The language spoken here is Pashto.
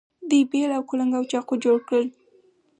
دوی بیل او کلنګ او چاقو جوړ کړل.